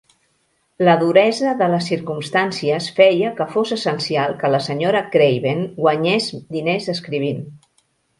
La duresa de les circumstàncies feia que fos essencial que la Sra. Craven guanyés diners escrivint.